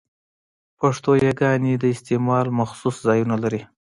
پښتو يګاني د استعمال مخصوص ځایونه لري؛